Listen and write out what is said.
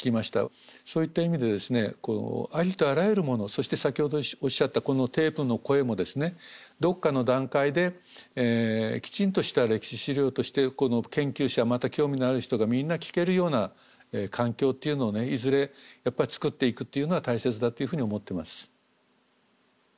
そういった意味でですねありとあらゆるものそして先ほどおっしゃったこのテープの声もですねどっかの段階できちんとした歴史史料としてこの研究者また興味のある人がみんな聞けるような環境っていうのをねいずれつくっていくっていうのは大切だっていうふうに思ってます。